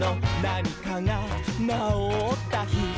「なにかがなおったひ」